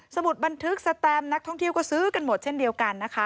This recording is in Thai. มุดบันทึกสแตมนักท่องเที่ยวก็ซื้อกันหมดเช่นเดียวกันนะคะ